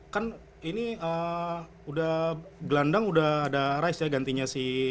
kan ini udah gelandang udah ada rice ya gantinya si